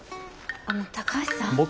あの高橋さん？